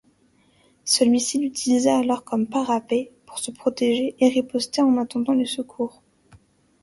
Celui-ci l'utilisa alors comme parapet pour se protéger et riposter en attendant le secours.